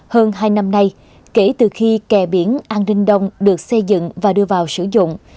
hơn hai năm nay kể từ khi kè biển an ninh đông được xây dựng và đưa vào sử dụng